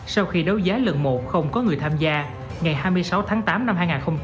sau khi đấu giá lần một không có người tham gia ngày hai mươi sáu tháng tám năm hai nghìn hai mươi ba